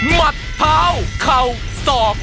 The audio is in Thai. มัดเท้าเข่าศอก